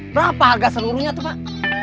berapa harga seluruhnya itu pak